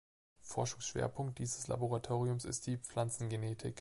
Forschungsschwerpunkt dieses Laboratoriums ist die Pflanzengenetik.